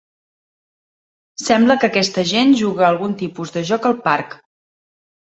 Sembla que aquesta gent juga a algun tipus de joc al parc.